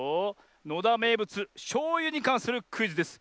のだめいぶつしょうゆにかんするクイズです。